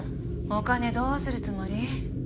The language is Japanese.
お金どうするつもり？